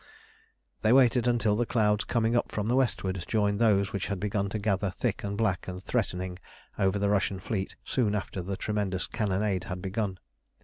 They waited until the clouds coming up from the westward joined those which had begun to gather thick and black and threatening over the Russian fleet soon after the tremendous cannonade had begun.